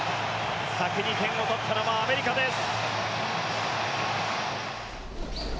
先に点を取ったのはアメリカです。